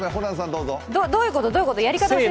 どういうこと？